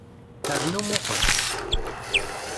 Rnu muqel.